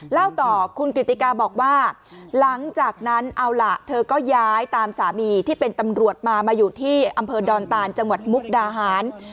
เล่าต่อคุณกิติกาบอกว่าหลังจากนั้นเอาล่ะเธอก็ย้ายตามสามีที่เป็นตำรวจมามาอยู่ที่อำเภอดอนตานจังหวัดมุกดาหาร